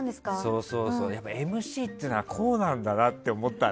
ＭＣっていうのはこうなんだなって思ったね。